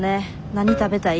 「何食べたい？」